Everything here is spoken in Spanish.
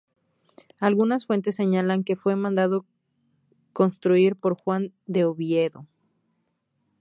Algunas fuentes señalan que fue mandado construir por Juan de Oviedo.